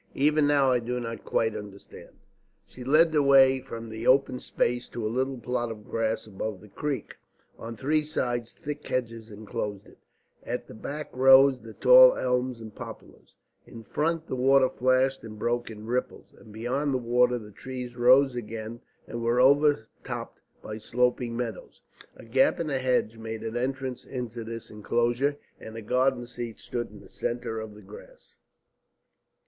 Even now I do not quite understand." She led the way from that open space to a little plot of grass above the creek. On three sides thick hedges enclosed it, at the back rose the tall elms and poplars, in front the water flashed and broke in ripples, and beyond the water the trees rose again and were overtopped by sloping meadows. A gap in the hedge made an entrance into this enclosure, and a garden seat stood in the centre of the grass.